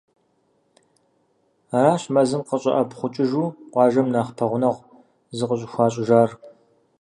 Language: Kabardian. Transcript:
Аращ мэзым къыщӏэӏэпхъукӏыжу къуажэм нэхъ пэгъунэгъу зыкъыщӏыхуащӏыжар.